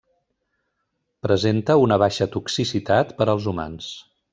Presenta una baixa toxicitat per als humans.